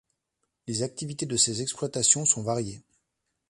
Les activités de ces exploitations sont variées.